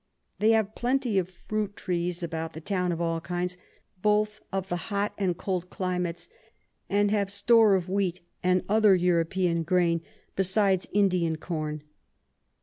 They have plenty of Fruit Trees about the Town of all kinds, both of the hot and cold Climates; and have store of Wheat and other European Grain, besides Indian Corn.